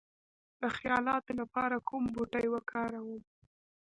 د خیالاتو لپاره کوم بوټي وکاروم؟